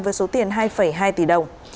với số tiền hai triệu đô la mỹ